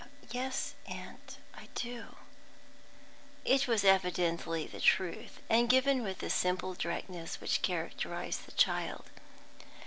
"Yes, aunt, I do." It was evidently the truth, and given with the simple directness which characterised the child.